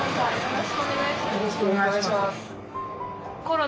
よろしくお願いします。